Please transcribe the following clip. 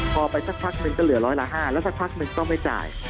พอไปสักพักหนึ่งก็เหลือร้อยละ๕แล้วสักพักนึงต้องไม่จ่าย